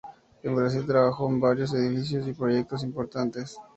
En Brasil, trabajó en varios edificios y proyectos importantes.